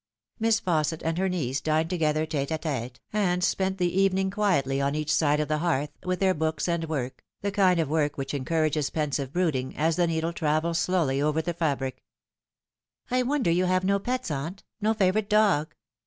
Miss Fausset and her niece dined together tete d tete, and spent the evening quietly on each side of the hearth, with their books and work, the kind of work which encourages pensive brooding, as the needle travels slowly over the fabric. " I wonder you have no pets, aunt no favourite dog."